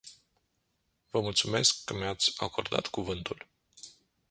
Vă mulțumesc că mi-ați acordat cuvântul.